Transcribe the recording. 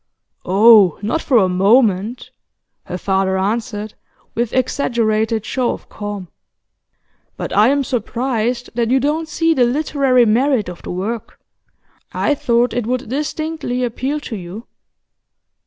'Oh, not for a moment,' her father answered, with exaggerated show of calm. 'But I am surprised that you don't see the literary merit of the work. I thought it would distinctly appeal to you.